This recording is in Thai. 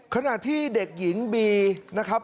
ขณะที่เด็กหญิงบีนะครับ